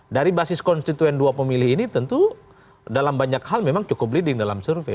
dari basis konstituen dua pemilih ini tentu dalam banyak hal memang cukup leading dalam survei